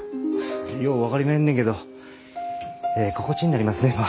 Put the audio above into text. よう分かりまへんねんけどええ心地になりますねんわ。